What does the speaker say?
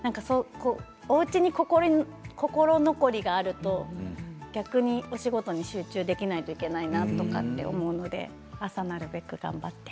おうちに心残りがあると逆にお仕事に集中できないといけないなとかって思うので朝、なるべく頑張って。